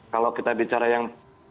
kalau kita bicara yang